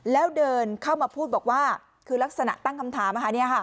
แล้วเดินเข้ามาพูดบอกว่าคือลักษณะตั้งคำถาม